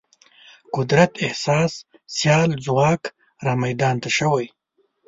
قدرت احساس سیال ځواک رامیدان ته شوی.